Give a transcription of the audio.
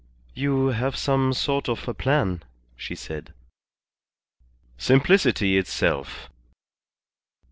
"You have some sort of a plan," she said. "Simplicity itself.